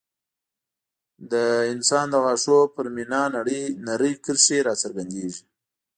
د انسان د غاښونو پر مینا نرۍ کرښې راڅرګندېږي.